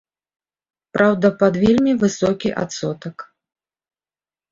Праўда, пад вельмі высокі адсотак.